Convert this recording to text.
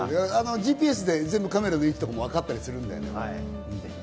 ＧＰＳでカメラの位置とかもわかったりするんだよね。